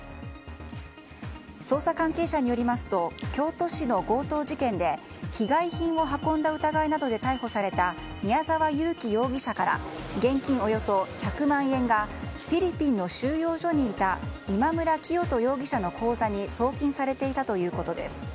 捜査関係者によりますと京都市の強盗事件で被害品を運んだ疑いなどで逮捕された宮沢優樹容疑者から現金およそ１００万円がフィリピンの収容所にいた今村磨人容疑者の口座に送金されていたということです。